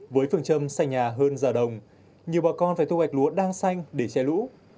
với phương châm xanh nhà hơn giờ đồng nhiều bà con phải thu hoạch lúa đang xanh để che lũ